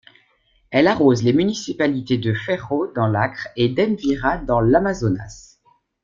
Elle arrose les municipalités de Feijó dans l'Acre et d'Envira dans l'Amazonas.